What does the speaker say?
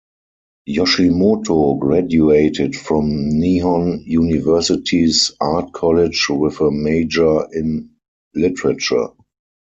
Yoshimoto graduated from Nihon University's Art College with a major in literature.